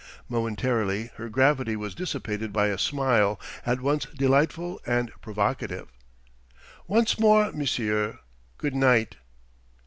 Momentarily her gravity was dissipated by a smile at once delightful and provocative. "Once more, monsieur good night!"